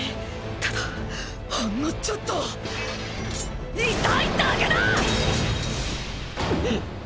ただほんのちょっと痛いだけだっ！